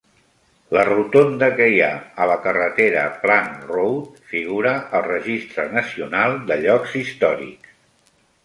La rotonda que hi ha a la carretera Plank Road figura al Registre Nacional de Llocs Històrics.